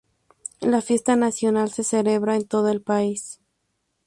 La fiesta nacional se celebra en todo el país.